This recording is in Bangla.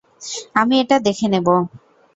আমি এটা দেখে নেব।